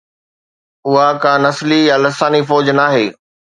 اها ڪا نسلي يا لساني فوج ناهي.